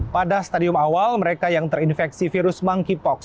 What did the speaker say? pada stadium awal mereka yang terinfeksi virus monkeypox